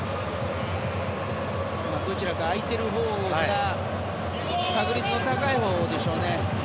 どちらか空いているほうが確率の高いほうでしょうね。